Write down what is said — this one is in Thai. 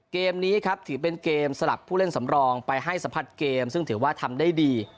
เกมนี้ครับถือเป็นเกมสลับผู้เล่นสำรองไปให้สัมผัสเกมซึ่งถือว่าทำได้ดี